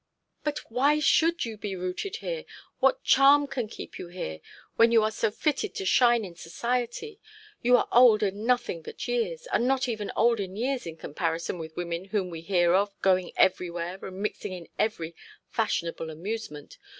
'But why should you be rooted here? What charm can keep you here, when you are so fitted to shine in society? You are old in nothing but years, and not even old in years in comparison with women whom we hear of, going everywhere and mixing in every fashionable amusement.